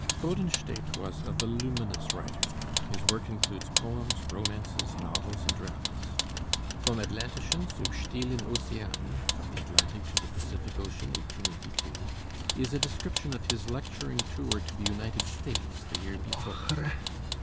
Bodenstedt was a voluminous writer; his work includes poems, romances, novels, and dramas. 'Vom Atlantischen zum Stillen Ocean' (From the Atlantic to the Pacific Ocean: 1882) is a description of his lecturing tour to the United States the year before.